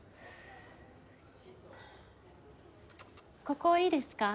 ここいいですか？